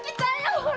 ほら！